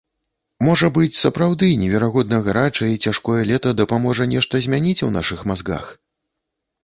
Можа быць, сапраўды неверагодна гарачае і цяжкое лета дапаможа нешта змяніць у нашых мазгах.